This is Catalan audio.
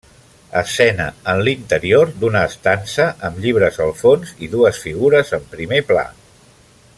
Escena en l'interior d'una estança amb llibres al fons, i dues figures en primer pla.